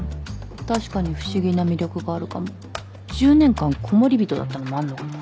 確かに不思議な魅力があるかも１０年間コモリビトだったのもあんのかな？